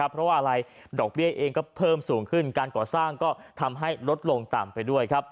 เพราะว่าอะไรดอกเบี้ยเองก็เพิ่มสูงขึ้นการก่อสร้างก็ทำให้ลดลงต่ำไปด้วย